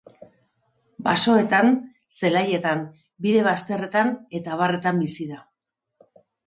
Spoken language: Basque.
Basoetan, zelaietan, bide bazterretan eta abarretan bizi da.